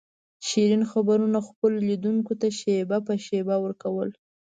شیرین خبرونه خپلو لیدونکو ته شېبه په شېبه ور کول.